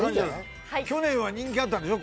去年は人気あったんでしょ？